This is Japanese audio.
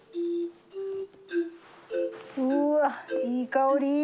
うわいい香り！